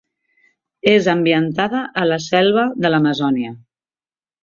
És ambientada a la selva de l'Amazònia.